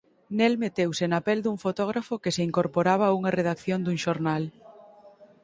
Nel meteuse na pel dun fotógrafo que se incorporaba a unha redacción dun xornal.